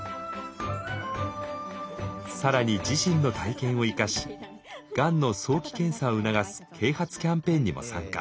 更に自身の体験を生かしがんの早期検査を促す啓発キャンペーンにも参加。